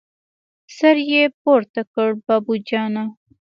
سر يې پورته کړ: بابو جانه!